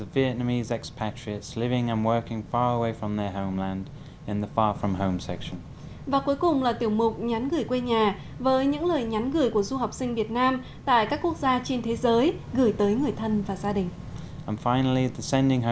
và cuối cùng là tiểu mục nhắn gửi quê nhà với những lời nhắn gửi của du học sinh việt nam tại các quốc gia trên thế giới gửi tới người thân và gia đình